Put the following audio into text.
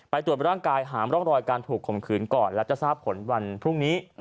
ตรวจร่างกายหามร่องรอยการถูกข่มขืนก่อนและจะทราบผลวันพรุ่งนี้